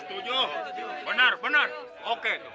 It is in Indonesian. setuju benar benar oke